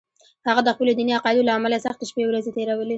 هغه د خپلو دیني عقایدو له امله سختې شپې ورځې تېرولې